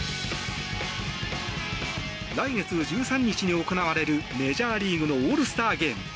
来月１３日に行われるメジャーリーグのオールスターゲーム。